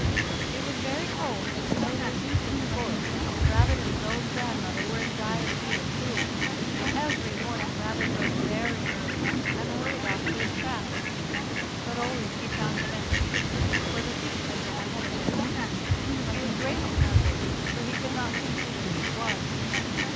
It was very cold and the snow lay deep in the forest, and Rabbit and his old grandmother were in dire need of food. Every morning Rabbit rose very early and hurried off to his traps, but always he found them empty, for the thief had been ahead of him. He was greatly puzzled, for he could not think who the thief was.